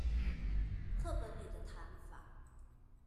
課本裡的談法